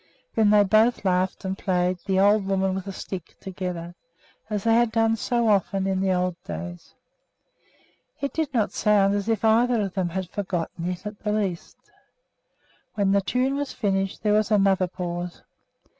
Then they both laughed and played "The Old Woman with a Stick" together, as they had so often done in the old days. It did not sound as if either of them had forgotten it in the least. When the tune was finished there was another pause.